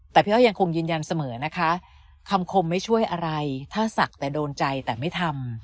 แต่พี่อ้อยยังคงยืนยันเสมอนะคะคำคมไม่ช่วยอะไรถ้าศักดิ์แต่โดนใจแต่ไม่ทำ